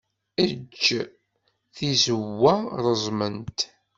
Eǧǧ tizewwa reẓment.